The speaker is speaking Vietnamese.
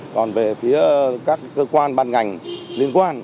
còn về phía các cơ quan ban ngành liên quan